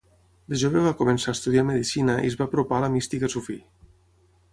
De jove va començar a estudiar medicina i es va apropar a la mística sufí.